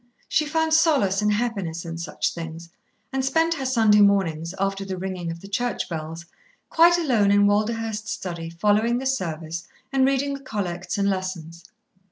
She found solace and happiness in such things, and spent her Sunday mornings, after the ringing of the church bells, quite alone in Walderhurst's study, following the Service and reading the Collects and Lessons.